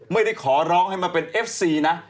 ไม่ได้ขอร้องให้มาเป็นเอฟซีนะ